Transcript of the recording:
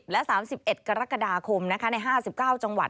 และ๓๑กรกฎาคมใน๕๙จังหวัด